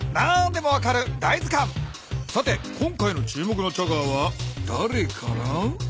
さて今回の注目のチャガーはだれかな？